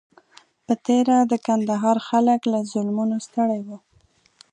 په تېره د کندهار خلک له ظلمونو ستړي وو.